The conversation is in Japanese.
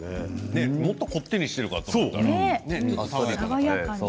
もっとこってりしていると思った。